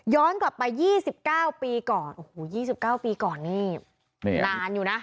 กลับไป๒๙ปีก่อนโอ้โห๒๙ปีก่อนนี่นานอยู่นะ